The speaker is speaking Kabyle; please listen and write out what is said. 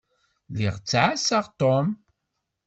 Lliɣ ttɛassaɣ Tom.